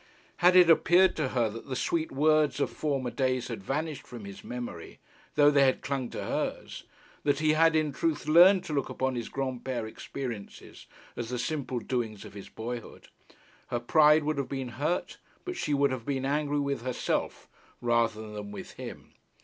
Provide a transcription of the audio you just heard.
Had it appeared to her that the sweet words of former days had vanished from his memory, though they had clung to hers, that he had in truth learned to look upon his Granpere experiences as the simple doings of his boyhood, her pride would have been hurt, but she would have been angry with herself rather than with him.